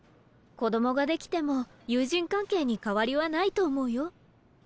子供ができても友人関係に変わりはないと思うよ。